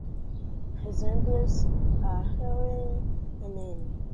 Resembles a harem anime.